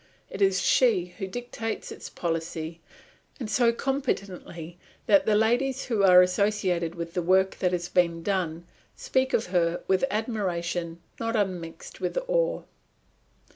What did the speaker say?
It is she who dictates its policy, and so competently that the ladies who are associated with the work that is being done speak of her with admiration not unmixed with awe.